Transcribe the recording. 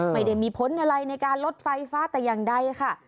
ไม่ได้มีผลอะไรในการลดไฟฟ้าแต่อย่างใดค่ะ